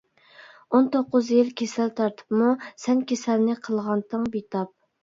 ئون توققۇز يىل كېسەل تارتىپمۇ، سەن كېسەلنى قىلغانتىڭ بىتاپ.